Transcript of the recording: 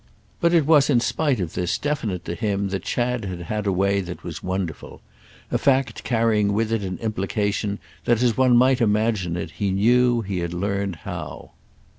But it was in spite of this definite to him that Chad had had a way that was wonderful: a fact carrying with it an implication that, as one might imagine it, he knew, he had learned, how.